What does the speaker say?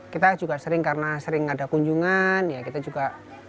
kita juga sering karena sering ada kunjungan ya kita juga